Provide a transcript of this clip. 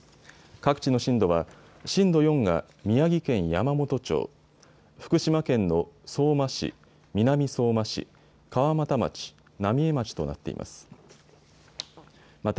各地の震度は震度４が宮城県山元町、福島県の相馬市、南相馬市、川俣町、浪江町となっています。